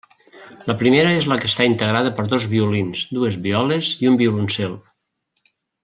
La primera és la que està integrada per dos violins, dues violes i un violoncel.